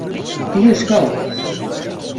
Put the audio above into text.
Bioskoop.